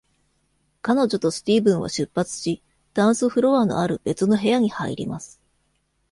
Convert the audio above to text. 彼女とスティーブンは出発し、ダンスフロアのある別の部屋に入ります。